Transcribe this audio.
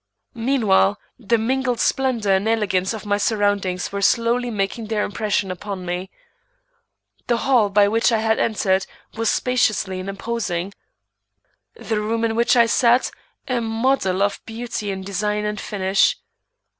Meanwhile the mingled splendor and elegance of my surroundings were slowly making their impression upon me. The hall by which I had entered was spacious and imposing; the room in which I sat, a model of beauty in design and finish.